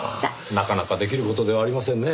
なかなかできる事ではありませんね。